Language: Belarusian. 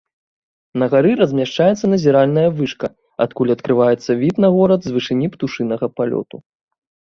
На гары размяшчаецца назіральная вышка, адкуль адкрываецца від на горад з вышыні птушынага палёту.